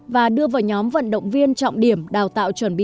và đưa vào nhóm vận động viên trọng điểm đào tạo chuẩn bị